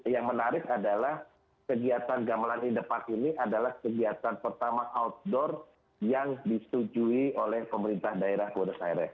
yang menarik adalah kegiatan gamelan in the park ini adalah kegiatan pertama outdoor yang disetujui oleh pemerintah daerah kue airs